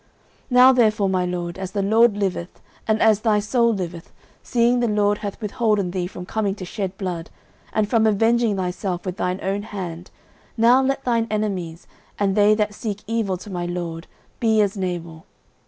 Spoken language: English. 09:025:026 Now therefore, my lord, as the LORD liveth, and as thy soul liveth, seeing the LORD hath withholden thee from coming to shed blood, and from avenging thyself with thine own hand, now let thine enemies, and they that seek evil to my lord, be as Nabal.